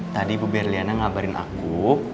tadi bu berliana ngabarin aku